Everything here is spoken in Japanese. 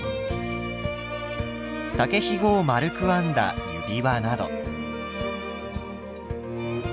竹ひごを丸く編んだ指輪など。